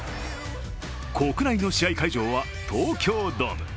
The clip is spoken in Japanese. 国内の試合会場は東京ドーム。